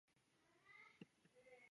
雷凌科技公司晶片组。